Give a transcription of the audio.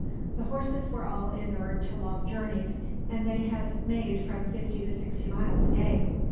The horses were all inured to long journeys, and they had made from fifty to sixty miles a day.